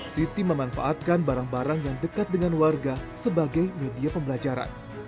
siti memanfaatkan barang barang yang dekat dengan warga sebagai media pembelajaran